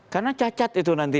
karena cacat itu nanti